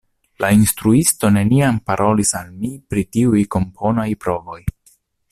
La instruisto neniam parolis al mi pri tiuj komponaj provoj.